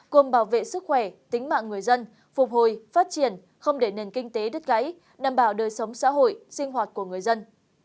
gồm bảo vệ sức khỏe tính mạng người dân phục hồi phát triển không để nền kinh tế đứt gãy đảm bảo đời sống xã hội sinh hoạt của người dân